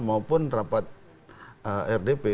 maupun rapat rdp